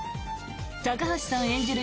高橋さん演じる